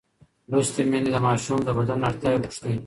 لوستې میندې د ماشوم د بدن اړتیاوې پوښتي.